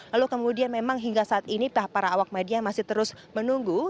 lalu kemudian memang hingga saat ini para awak media masih terus menunggu